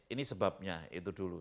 ini sebabnya itu dulu